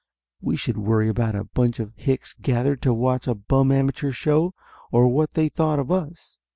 We should worry about a bunch of hicks gathered to watch a bum amateur show, or what they thought of us!